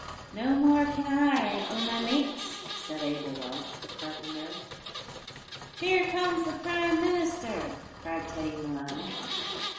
"No more can I, or my mates," said Abel Welsh, the carpenter. "Here comes the Prime Minister," cried Teddy Malone.